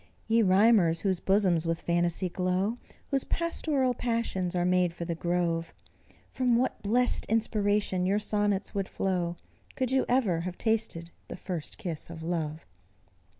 Ye rhymers, whose bosoms with phantasy glow, Whose pastoral passions are made for the grove, From what blest inspiration your sonnets would flow, Could you ever have tasted the first kiss of love!